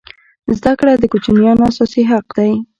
زده کړه د کوچنیانو اساسي حق دی.